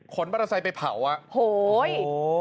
ขนมอเตอร์ไซค์ไปเผาอะ